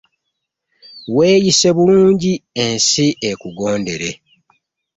Weeyise bulungi ensi ekugondere.